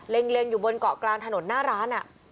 เล็งอยู่บนเกาะกลางถนนหน้าร้าน